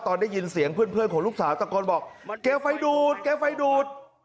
ตอนได้ยินเสียงเพื่อนของลูกสาวตะโกนบอกแกไฟดูดแกไฟดูด